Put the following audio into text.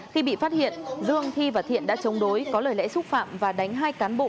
khi bị phát hiện dương thi và thiện đã chống đối có lời lẽ xúc phạm và đánh hai cán bộ